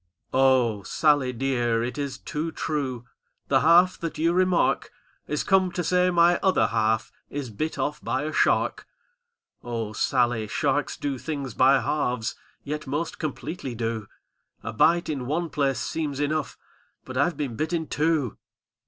"O SaDy, dear, it is too true, â The half that you remark Is come to say my other half Is bit off by a shark! '^O Sally, sharks do things by halves. Yet most completely do! A bite in one place seems enough. But I've been bit in two.